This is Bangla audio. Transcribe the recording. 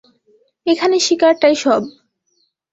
এখানে শিকারটাই সব।